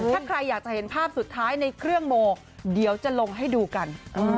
ถ้าใครอยากจะเห็นภาพสุดท้ายในเครื่องโมเดี๋ยวจะลงให้ดูกัน